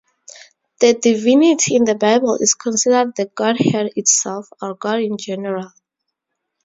The divinity in the Bible is considered the Godhead itself, or God in general.